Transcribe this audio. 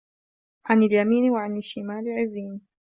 عَنِ اليَمينِ وَعَنِ الشِّمالِ عِزينَ